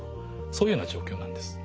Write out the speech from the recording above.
そういうような状況なんです。